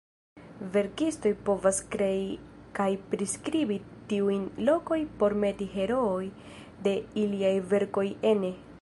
Verkistoj povas krei kaj priskribi tiujn lokoj por meti herooj de iliaj verkoj ene.